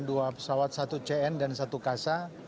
dua pesawat satu cn dan satu kasa